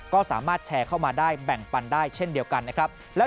ก็สามารถแชร์เข้ามาได้แบ่งปันได้เช่นเดียวกันนะครับ